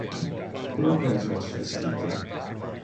Proque es vos vestite?